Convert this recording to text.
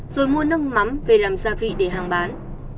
rồi mua nước mắm về làm gia vị để hàng bán